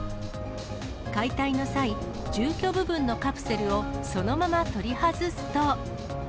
解体の際、住居部分のカプセルをそのまま取り外すと。